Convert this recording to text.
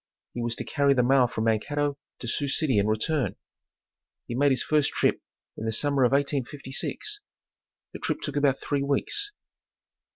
He was to carry the mail from Mankato to Sioux City and return. He made his first trip in the summer of 1856. The trip took about three weeks.